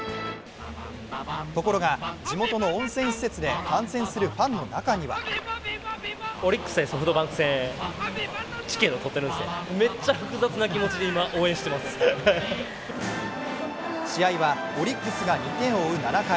ところが、地元の温泉施設で観戦するファンの中には試合はオリックスが２点を追う７回。